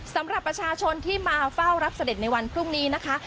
สำหรับประชาชนที่มาเฝ้ารับเสด็จในวันพรุ่งนี้นะคะ